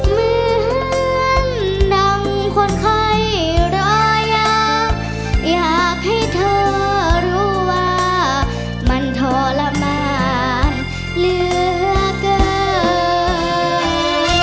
เหมือนดังคนไข้รออยากอยากให้เธอรู้ว่ามันทรมานเหลือเกิน